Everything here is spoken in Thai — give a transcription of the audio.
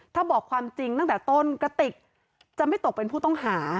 ถ้าบอกความจริงตั้งแต่ต้นกระติกจะไม่ตกเป็นผู้ต้องหา